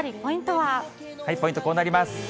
ポイント、こうなります。